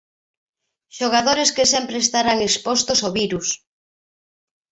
Xogadores que sempre estarán expostos ao virus.